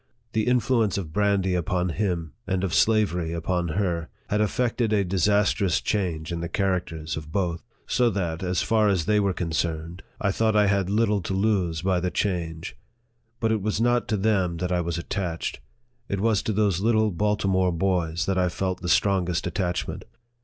The influence of brandy upon him, and of slavery upon her, had effected a dis astrous change in the characters of both ; so that, as far as they were concerned, I thought I had little to lose by the change. But it was not to them that I was attached. It was to those little Baltimore boys that I felt the strongest attachment.